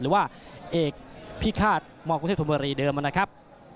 หรือว่าเอกพิฆาตมกรุงเทพธนบุรีเดิมนะครับ